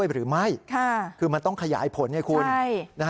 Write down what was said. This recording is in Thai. หรือไม่คือมันต้องขยายผลไงคุณ